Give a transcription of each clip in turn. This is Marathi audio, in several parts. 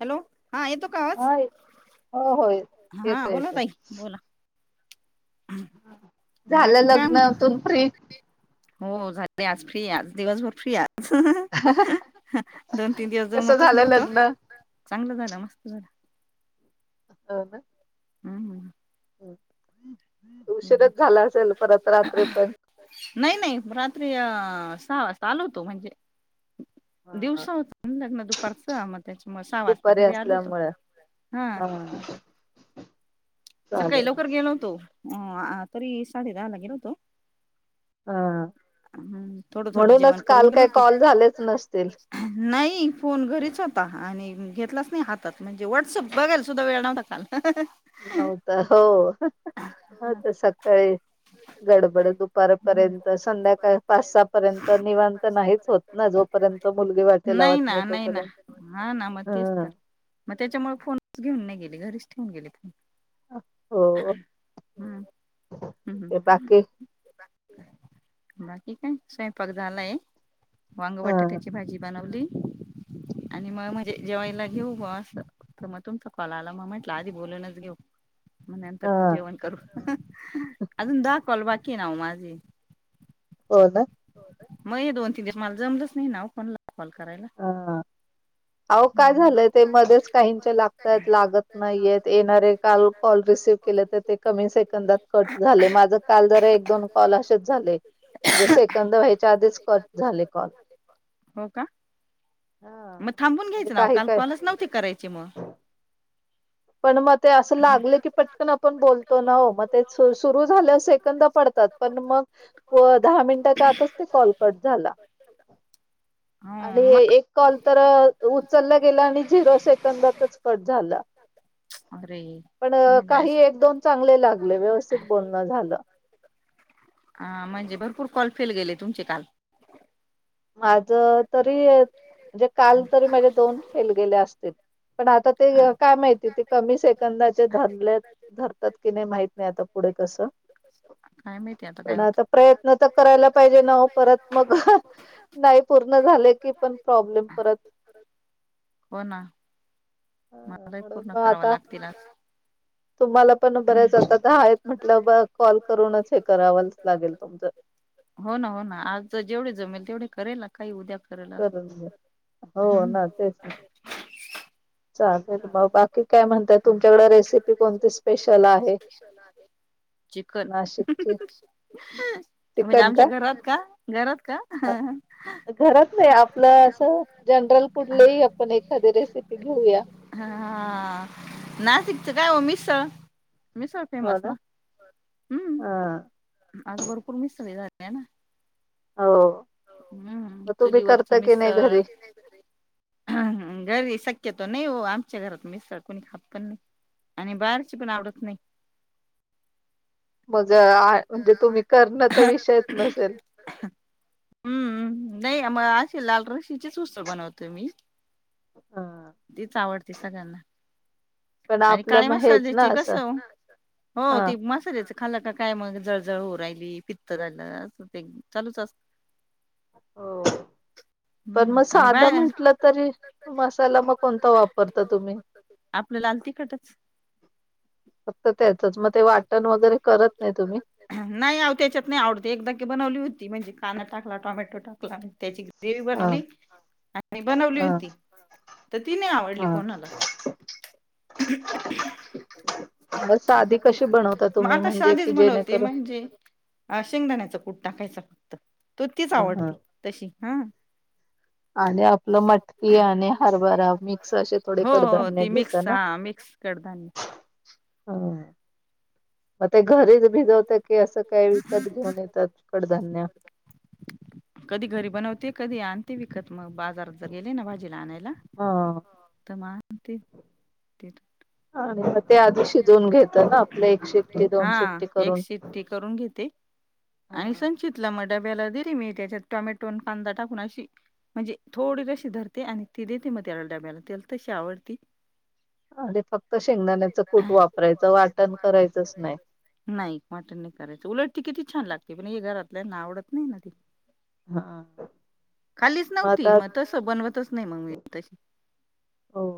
हॅलो. हा येतो का आवाज हा बोला ताई. बोला. बाकी काय म्हणता हो हो झाले आज फ्री आज दिवसभर फ्री आज. दोन तीन दिवस जमतच नव्हतं. चांगलं झाल मस्त झाल. हो ना. हम्म हम्म. उशीरच झाला असेल परत रात्री पण. नाही नाही. रात्री अ सहा वाजता आलो होतो म्हणजे दिवसाच दुपारचं म त्याच्या मूळ सहा वाजता घरी आलो होतो. हा. सकाळी लवकर गेलो होतो. अ आ. तरी साडे दहा ला गेलो होतो. हम. थोड थोड जेवण करून गेलो होतो. नाही फोन घरीच होता. आणि घेतलाच नाही हातात, म्हणजे व्हॉट्सअप बघायला सुद्धा वेळ नव्हता काल. हहह.. नव्हता हो. होता सकाळीच गडबड दुपारपर्यंत. संध्याकाळ पाच-सहा पर्यंत निवांत नाहीच होत. ना जोपर्यंत मुलगी वात्या लावत नाही तोपर्यंत. हा. मग त्याच्यामुळे फोनच घेऊन नाही गेले. घरीच ठेवून गेले फोन. हा. हम्म हम्म हम‌. बाकी काय, स्वयंपाक झालाय. वांग बटाट्याची भाजी बनवली. आणि मग म्हणजे जेवायला घेऊ बुवा असं. तर मग तुमचा कॉल आला. मग म्हंटलं आधी बोलूनच घेऊ मग नंतर जेवण करू. अजून दहा कॉल बाकी हाय ना ओ माझे. हो ना. मग हे दोन तीन दिवस मला जमलंच नाही ना पण कोणाला कॉल करायला. अहो, काय झालंय ते मध्येच काहीचे लागतात लागत नाहीय येणारे काल कॉल रिसीव्ह केलं तर ते कमी सेकंदात कट झाले. माझ काल जरा एक दोन कॉल असेच झाले. म्हणजे सेकंद व्हायच्या आधीच कट झाले कॉल. हो का. मग थांबून घ्यायचं ना काल कॉलच नव्हते करायचे मग. पण मग ते असं लागते की पटकन आपण बोलतो ना ओ. मग ते सुरू झाल्यावर सेकंद पडतात पण मग व दहा मिनिटाच्या आतच ते कॉल कट झाला. आणि एक कॉल तर.. उचलला गेला आणि झिरो सेकंदातच कट झाला. अ्रे. पण काही एक-दोन चांगले लागले व्यवस्थित बोलणं झालं. हा म्हणजे भरपूर कॉलफेल गेले तुमचे काल. माझ तरी म्हणजे काल तरी माझे दोन फेल गेले असतील. पण आता ते काय माहिती ते कमी सेकंदाचे धरलेत. धरतात की न्हाई माहित नाही आता पुढं कसं. काय माहिती आता? पण आता प्रयत्न त करायला पाहिजे नावो परत मग. नाई पूर्ण झाले की पण प्रॉब्लेम परत. हो ना. मलाही पूर्ण करावं लागतील आज‌. तुम्हाला पण बऱ्याच आता दहा हायत म्हटलं कॉल करूनच हे करावच लागेल तुमचं. हो ना. हो ना. आज जेवढे जमेल तेवढे करे- काई उद्या करेल असं. हम्. चालेल मग. बाकी काय म्हणताय तुमच्याकडं रेसिपी कोणती स्पेशल आहे? [unintelligible] चिकन. म्हणजे आमच्या घरात का? घरात का? हां हं, घरात नाही. आपलं असं जनरल कुठलही आपण एखादी रेसिपी घेऊया. हा.. हा, नाशिकचं काय व मिसळ मिसळ फेमस न, हं आता भरपूर मिसळी झाल्या ना, हम्म, चुलीवरची मिसळ [unintelligible] घरी शक्यतो नाही हो, आमच्या घरात मिसळ कोणी खात पण नाही. आणि बाहेरची पण आवडत नाही. मग आ, म्हणजे तुम्ही करणं त विषयच नसेल. हम्म, नाही म अशी लाल रशीचीच उसळ बनवतोय मी. तीच आवळती सगळ्यांना. आणि काळ्या मसाल्याची कसं ओ? हो ते मसाल्याचं खाला का काय मग जळजळ होऊ राहिली. पीत्त झालं. असं ते चालूच असत. हो. पण मग साधं म्हटलं तरी मसाला मग कोणता वापरता तुम्ही? फक्त त्याचच, म ते वाटण वगैरे करत नाही तुम्ही? नाही आव त्याच्यात नाय आवडत. एकदा की बनवली होती. म्हणजे काना टाकला, टॉमॅटो टाकला अन् त्याची देवी बनवली, आणि बनवली होती. त ती नाय आवडली कोणाला, [unintelligible] म ते म आता साधीच बनवते. म्हणजे अ शेगदाण्याचा कूट टाकायचा फक्त. तो तीच आवडती तशी हा, [unintelligible] हो हो, ती मिक्स हा मिक्स कडधान्य ह, म ते घरीच भिजवता की, असं काय विकत घेऊन येतात. कडधान्य कधी घरी बनवते. कधी आणते विकत म बाजारात जर गेले ना, भाजीला आणायला. हो. त म आणते. तिथु आम्हाला त्या दिशी शिजवून घेतो ना, आपलं एक शिटटी दोन शिट्टी करून. हाव, चितला म डब्याला दिली मी. त्याच्यात टोमॅटो अन् कांदा टाकून अशी. म्हणजे थोडी रशी धरते. आणि ती देते म त्याला डब्याला त्याल तशी आवडती. अरे फक्त शेंगदाण्याचं कूट वापरायचं. वाटण करायचंच नाही. नाही वाटण नाही करायचं. उलट ती किती छान लागते. पण हे घरातल्यांना आवडत नाही ना ती. खाल्लीच नव्हती. म तसं बनवतंच नाही मग मी तशी. हो.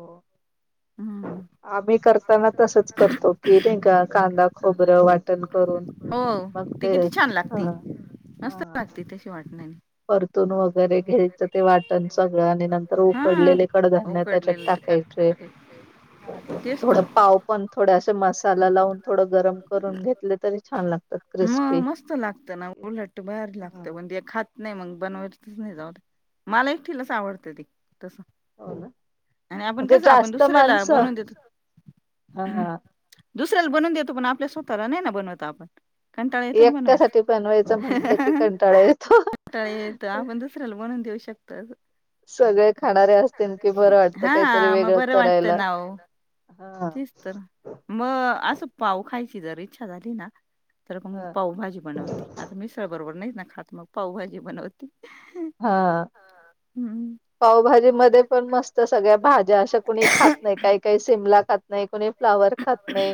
हम्म, आम्ही करतांना तसंच करतो. की नाही का कांदा खोबरं वाटण करून. हो. ती किती छान लागती. मस्त लागते तशी वाटण्यानी. परतूून वगैरे घ्यायचं ते वाटण सगळं हा, [unintelligible] [unintelligible] तेच त पाव पण थोड्या अस मस् मसाला लावून थोडं गरम करून घेतले तरी छान लागतात क्रिस्पी. [unintelligible] लागतं. [unintelligible] खात नाही मग बनवयचच नाही जाऊ दे. मला एकटीलास आवडते ते तसं. आणि आपण कसं आपण दुसऱ्याला बनवून देतो. दुसऱ्याला बनवून देतो पण आपल्या स्वतःला नाही ना बनवत आपण कंटाळा येतो ना बनवायचा. त येत आपण दुसऱ्याला बनवून देऊ शकतो आस. सगळे खाणारे असतील की बरं वाटतं काहीतरी वेगळं करायला हा. तर मग असं पाऊ खायची जर इच्छा झाली ना तर मग मी पावभाजी बनवती, आता मिसळ बरोबर नाहीत ना खात, मग पाऊभाजी बनवते. हा. हम्म. पावभाजी मध्ये पण मस्त सगळ्या भाज्या अशा कुणी खात नाही काही काही शिमला खात नाही, कुणी फ्लावर खात नाही,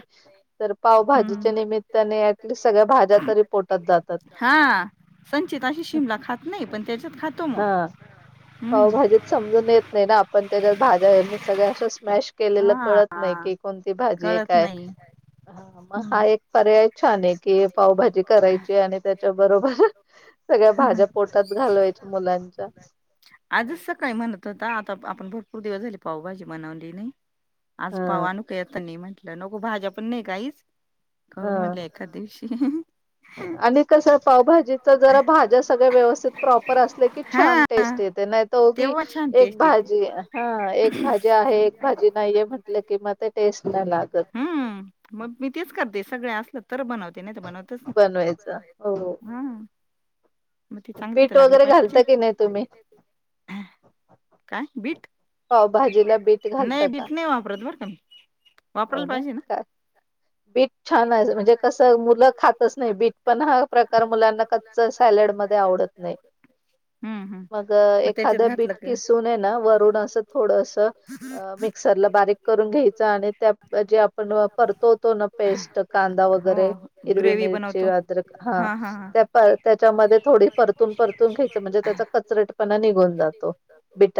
तर पावभाजीच्या निमित्ताने अटलिस्ट सगळ्या भाज्या तरी पोटात जातात. हा, संचित अशी शिमला खात नाही पण त्याच्यात खातो म. पावभाजीत समजून येत नाही ना आपण त्याच्यात भाज्या मी सगळ्या असं स्मॅश केलेलं कळत नाही कि कोणती भाजी ये काय हा मग हा एक पर्याय छान आहे कि पावभाजी करायची आणि त्याच्या बरोबर सगळ्या भाज्या पोटात घालवायच्या मुलांच्या. आजच सकाळी म्हणत होता आता आपण भरपूर दिवस झाले पावभाजी बनवली नाही आज पाव आणू का येतानी? म्हटलं नको भाज्या पण नाही काहीच, करू म्हटलं एखाद दिवशी. आणि कस पावभाजीच जरा भाज्या सगळ्या व्यवस्थित प्रॉपर असल्या की छान टेस्ट येत, नाही त उगी एक भाजी हां, एक भाजी आहे, एक भाजी नाहीये म्हटलं कि म ते टेस्ट नाही लागत. म मी तेच करते सगळे असलं तर बनवते, नाही तर बनवत बनवायच, हो. म ती चांगली तर लागली पाहिजे. काय बीट? नाही बीट नाही वापरत बर का मी. वापराला पाहिजे ना? बीट छान आहे म्हणजे कस मुलं खातच नाही बीट पण हा प्रकार मुलांना कच्च सॅलड मध्ये आवडत नाही. मग एखादं बीट किसून ये ना वरून असं थोडस अ मी मिक्सरला बारीक करून घ्यायच आणि म्हणजे आपण परतवतो ना पेस्ट कांदा वगैरे हिरवी मिरची आ द्रक हां, त्या त्याच्यामध्ये थोडी परतून परतून घ्यायच म्हणजे त्याचा कचरट पणा निघून जातो.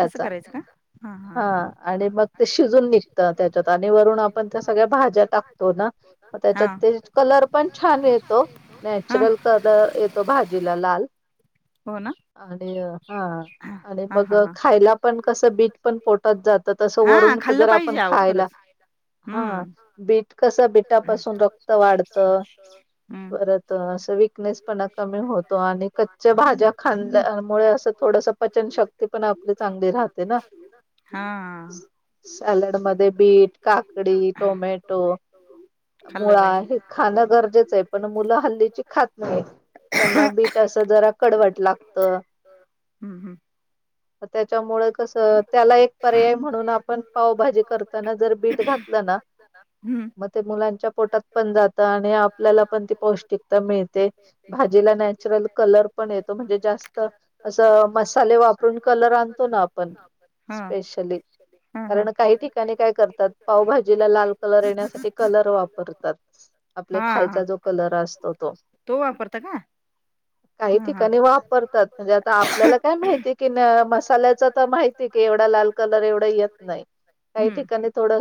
असं करायचं का? हां हा, हां. आणि मग ते शिजून निघत त्याच्यात आणि वरून आपण त्या सगळ्या भाज्या टाकतो ना म त्याच्यात कलर पण छान येतो नॅचरल कलर येतो भाजीला लाल. हो ना? आणि हा, आणि मग खायला पण कस बीट पण पोटात जातं तसं वरून जर आपण खायला हां, बीट कस बिटापासून रक्त वाढत परत तर असं विकनेस पना कमी होतो, आणि कच्च्या भाज्या खांदमुळे असं थोडस पचन शक ते पण आपले चांगले राहते ना. सॅलड मध्ये बीट, काकडी, टोमॅटो, मुळा हे खाणं गरजेचं आहेत, पण मुलं हल्लीची खात नाही. त्यांना बीट असं जरा कडवट लागत. हम्म -हम्म, त्याच्यामुळे कसं त्याला एक पर्याय म्हणून आपण पावभाजी करताना जर बीठ घातलं ना म ते मुलांच्या पोटात पण जात, आणि आपल्याला पण ती पौष्टिकता मिळते. भाजीला नॅचरल कलर पण येतो, म्हणजे जास्त असं मसाले वापरून कलर टाकतो ना आपण स्पेशली कारण काही ठिकाणी काय करतात, पावभाजीला लाल कलर येण्यासाठी कलर वापरतात. आपल्या खायचा जो कलर असतो तो. काही ठिकाणी वापरतात, म्हणजे आता आपल्याला काय माहिती की म मसा साला चं माहितीय की एवढा लाल कलर एवढा येत नाही काही ठिकाणी थोड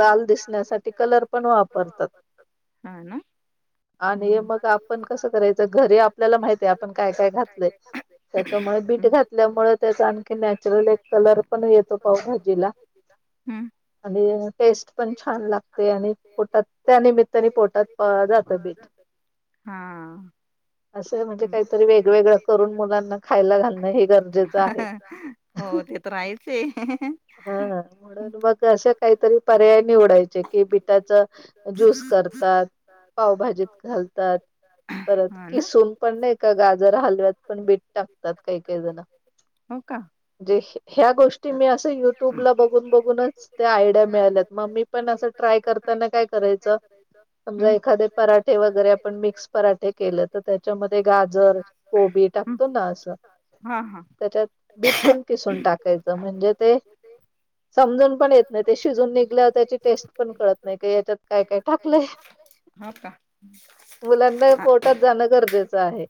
लाल दिसण्यासाठी कलर पण वापरतात. हा ना, आणि मग आपण कसं करायचं, घरी आपल्याला माहिती आहे आपण काय- काय घातलंय. त्याच्यामुळे बीट घातल्यामुळे त्याचा आणखी नॅचरल एक कलर पण येतो पावभाजीला. आणि टेस्ट पण छान लागते, आणि पोटात त्यानिमित्ताने पोटात जातं बीट. हा, असं ये म्हणजे काहीतरी वेगवेगळं करून, मुलांना खायला घालणं हे गरजेचं हं, हो ते तर आहेच ये. हाहा, म्हणून मग अशे काहीतरी पर्याय निवडायचे, कि बिटाच ज्यूस करतात. पावभाजीत घालतात, परत किसुन पण नाही का गाजर हलव्यात पण बीट टाकतात, काही- काही जण. जे ह्या गोष्टी मी असं यु ट्यूब ला बघून- बघूनच ते आयडिया मिळाल्यात, मग मी पण असं ट्राय करताना काय करायचं समजा एखादे पराठे वगैरे आपण मिक्स पराठे केले, तर त्याच्यामध्ये गाजर कोबी टाकतो ना असं. हा -हा, त्याच्यात बीट पण किसून टाकायचं म्हणजे ते समजून पण येत नाही, ते शिजून निघल्यावर त्याची टेस्ट पण कळत नाही, का याच्यात काय- काय टाकलंय. हा का? मुलांना हे पोटात जाणं गरजेचं आहे.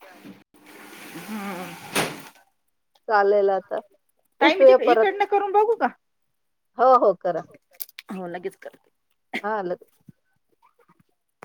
ताई मी ती, इकडनं करून बघू का?... हो, हो. हो लगेच करते. हा लगं